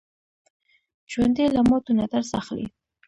ژوندي له ماتو نه درس اخلي